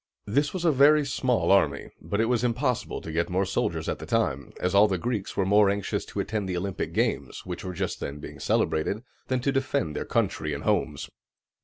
This was a very small army; but it was impossible to get more soldiers at the time, as all the Greeks were more anxious to attend the Olympic games, which were just then being celebrated, than to defend their country and homes.